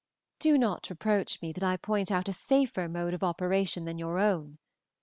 "Do not reproach me that I point out a safer mode of operation than your own.